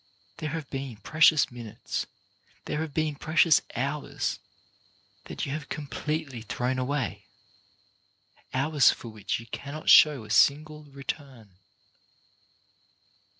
There have been precious minutes, there have been precious hours, that you have completely thrown away, hours for which you cannot show a single return.